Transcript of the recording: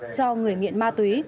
cho người nghiện ma túy